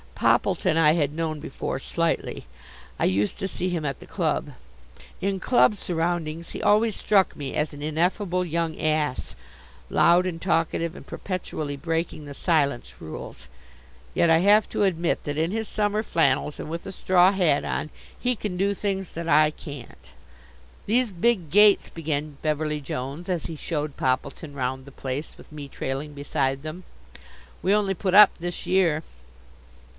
Poppleton I had known before slightly. I used to see him at the club. In club surroundings he always struck me as an ineffable young ass, loud and talkative and perpetually breaking the silence rules. Yet I have to admit that in his summer flannels and with a straw hat on he can do things that I can't. "These big gates," began Beverly Jones as he showed Poppleton round the place with me trailing beside them, "we only put up this year."